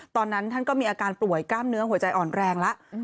ตอนนั้นท่านก็มีอาการป่วยกล้ามเนื้อหัวใจอ่อนแรงแล้ว